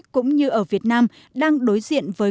cũng như ở việt nam đang đối diện với